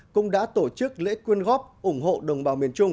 cũng đã tổ chức lễ quyên góp ủng hộ đồng bào miền trung